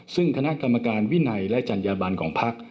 ซึ่งคณะกรรมการวินัยและจัญญาบันของพัก